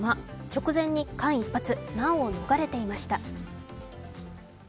直前に間一髪、難を逃れていました。